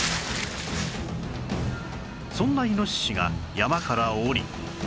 そんなイノシシが山から下り